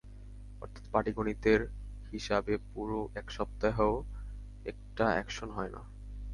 অর্থাৎ, পাটিগণিতের হিসাবে পূরো এক সপ্তাহেও একটা অ্যাকশন হয় না।